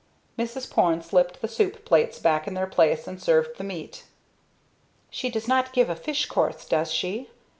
Mrs. Porne slipped the soup plates back in their place and served the meat. "She does not give a fish course, does she?"